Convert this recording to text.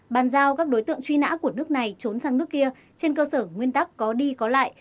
bàn giao các đối tượng truy nã của nước này trốn sang nước kia trên cơ sở nguyên tắc có đi có lại